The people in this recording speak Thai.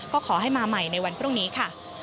ก็ขอให้มาใหม่ในวันพรุ่งนี้ค่ะ